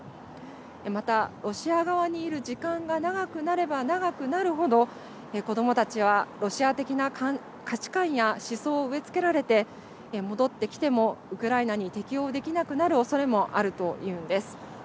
また、ロシア側にいる時間が長くなれば長くなる程子どもたちはロシア的な価値観や思想を植え付けられて戻ってきてもウクライナに適応できなくなるおそれもあるというんです。